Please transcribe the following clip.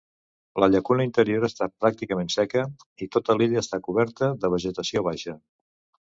La llacuna interior està pràcticament seca, i tota l'illa està coberta de vegetació baixa.